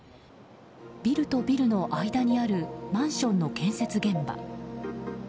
ビルとビルの間にあるマンションの建設現場。